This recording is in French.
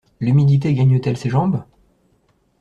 L'humidité gagne-t-elle ses jambes?